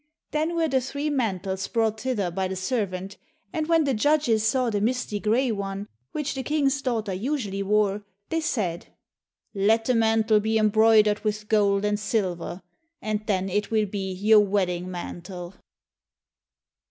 Then were the three mantles brought thither by the servant, and when the judges saw the misty grey one which the King's daughter usually wore, they said, "Let the mantle be embroidered with gold and silver, and then it will be your wedding mantle.